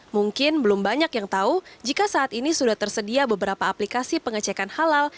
mungkin belum banyak yang tahu jika saat ini sudah tersedia beberapa aplikasi pengecekan halal